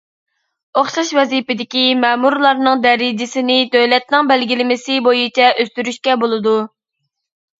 ئوخشاش ۋەزىپىدىكى مەمۇرلارنىڭ دەرىجىسىنى دۆلەتنىڭ بەلگىلىمىسى بويىچە ئۆستۈرۈشكە بولىدۇ.